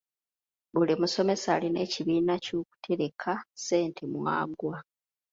Buli musomesa alina ekibiina ky'okutereka ssente mw'agwa.